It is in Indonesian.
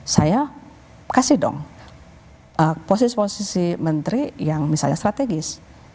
saya kasih dong posisi posisi menteri yang misalnya strategis